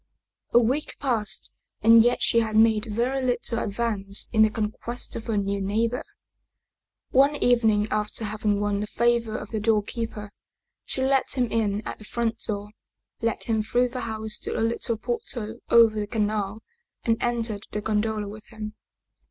A week passed and yet she had made very little advance in the conquest of her new neighbor. One evening after having won the favor of the doorkeeper, she let him in at the front door, led him through the house to the little portal over the canal and entered the gondola with him.